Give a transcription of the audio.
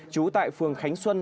trú tại phường khánh xuân